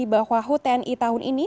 bahwa hut tni tahun ini